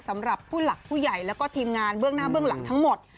สำหรับผู้หลักผู้ใหญ่แล้วก็ทีมงานเบื้องหน้าเบื้องหลังทั้งหมด